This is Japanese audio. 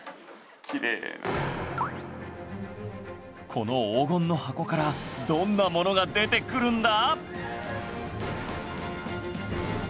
この黄金の箱からどんなものが出てくるんだ！？